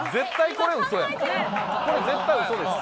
これ絶対嘘です。